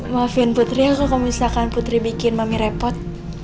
maafin putri ya kok kamu misalkan putri bikin mami repot